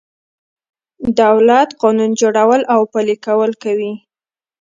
دولت قانون جوړول او پلي کول کوي.